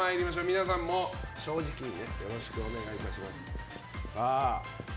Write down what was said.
皆さんも正直によろしくお願いいたします。